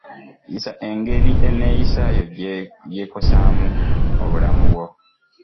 Yiga engeri eneeyisa yo gy'ekosaamu obulamu bwo.